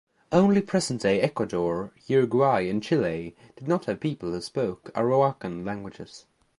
Only present-day Ecuador, Uruguay and Chile did not have peoples who spoke Arawakan languages.